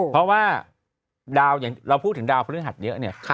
เพราะว่าเราพูดถึงดาวพฤหัสเยอะเนี่ย